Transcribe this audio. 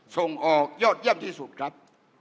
ส่งออกยอดเยี่ยมที่สุดครับ